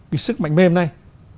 cái sức mạnh mềm này